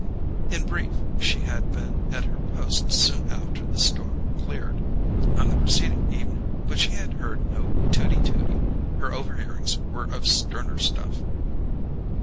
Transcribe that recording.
In brief, she had been at her post soon after the storm cleared on the preceding evening, but she had heard no tooty tooty; her overhearings were of sterner stuff.